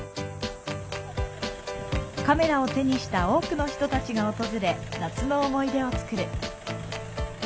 カメラを手にした多くの人たちが訪れ夏の思い出を作る。